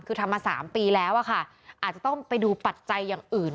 คือทำมา๓ปีแล้วอะค่ะอาจจะต้องไปดูปัจจัยอย่างอื่น